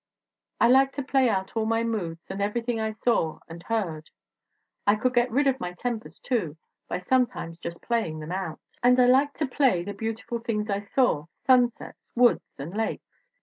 "I liked to play out all my moods and everything I saw and heard. I could get rid of my tempers, too, by sometimes just playing them out. ELEANOR H. PORTER in And I liked to play the beautiful things I saw sun sets, woods and lakes.